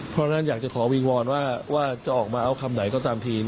เพราะฉะนั้นอยากจะขอวิงวอนว่าจะออกมาเอาคำไหนก็ตามที